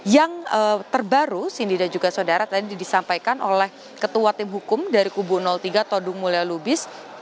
yang terbaru cindy dan juga saudara tadi disampaikan oleh ketua tim hukum dari kubu tiga todung mulya lubis